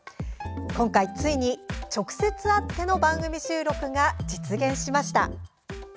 今回ついに、直接会っての番組収録が実現しました。